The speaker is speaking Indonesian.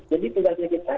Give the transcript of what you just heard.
jadi tugasnya kita